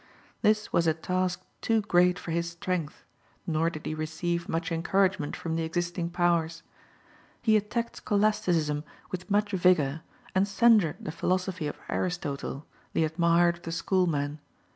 This was a task too great for his strength, nor did he receive much encouragement from the existing powers. He attacked scholasticism with much vigour, and censured the philosophy of Aristotle, the admired of the schoolmen.